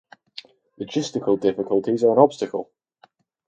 Logistical difficulties are an obstacle.